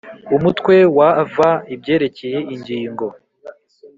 Umutwe wa v ibyerekeye ingingo